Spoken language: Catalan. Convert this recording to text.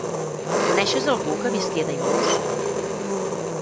Coneixes algú que visqui a Daimús?